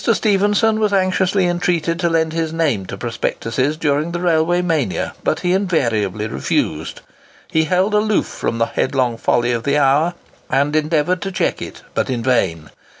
Stephenson was anxiously entreated to lend his name to prospectuses during the railway mania; but he invariably refused. He held aloof from the headlong folly of the hour, and endeavoured to check it, but in vain.